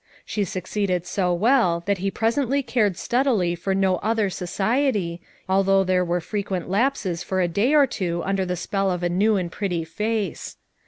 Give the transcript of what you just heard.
She succeeded so well that he presently cared steadily for no other society, although there were frequent lapses for a day or two under the spell of a new and pretty face.